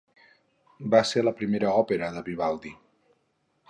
Va ser la primera òpera de Vivaldi.